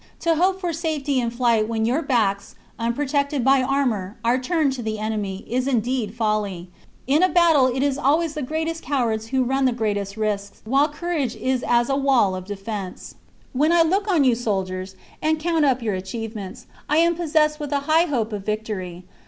To hope for safety in flight, when your backs, unprotected by armour, are turned to the ^ enemy, is indeed folly. In a battle it is always the . greatest cowards who run the greatest risks, while courage is as a wall of defence. LIX. 60 THE CONSPIRACY OF CATILINE. CHAP. " When I look on you, soldiers, and count up your achievements, I am possessed with high hope of vic tory.